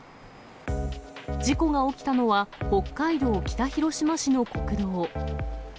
事故が起きたのは北海道北広島市の国道。